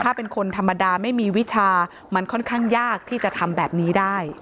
ถ้าเป็นคนธรรมดาไม่มีวิชามันค่อนข้างยากที่จะทำแบบนี้ได้